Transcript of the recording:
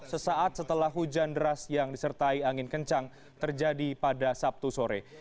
sesaat setelah hujan deras yang disertai angin kencang terjadi pada sabtu sore